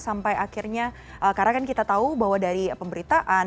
sampai akhirnya karena kan kita tahu bahwa dari pemberitaan